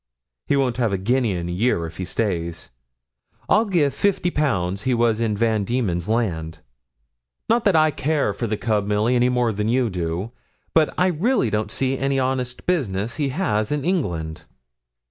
He won't have a guinea in a year if he stays here. I'd give fifty pounds he was in Van Diemen's Land not that I care for the cub, Milly, any more than you do; but I really don't see any honest business he has in England.'